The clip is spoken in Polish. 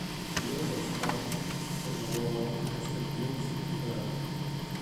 Filozof Kant sformułował następujący imperatyw